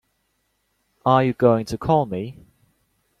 Are you going to call me?